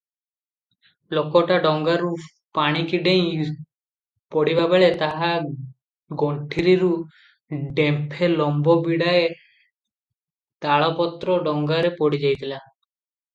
ଲୋକଟା ଡଙ୍ଗାରୁ ପାଣିକି ଡେଇଁ ପଡ଼ିବାବେଳେ ତାହା ଗଣ୍ଠିରିରୁ ଡେମ୍ପେ ଲମ୍ବ ବିଡ଼ାଏ ତାଳପତ୍ର ଡଙ୍ଗାରେ ପଡ଼ିଯାଇଥିଲା ।